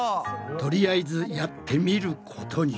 とりあえずやってみることに。